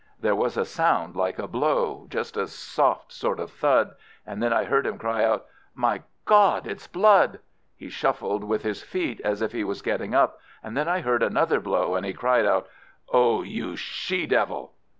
There was a sound like a blow, just a soft sort of thud, and then I heard him cry out, "My God, it's blood!" He shuffled with his feet as if he was getting up, and then I heard another blow, and he cried out, "Oh, you she devil!"